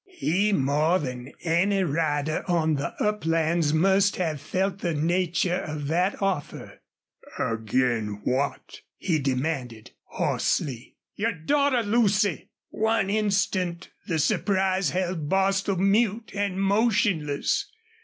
He more than any rider on the uplands must have felt the nature of that offer. "Ag'in what?" he demanded, hoarsely. "YOUR DAUGHTER LUCY!" One instant the surprise held Bostil mute and motionless.